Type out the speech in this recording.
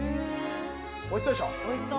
おいしそうでしょ。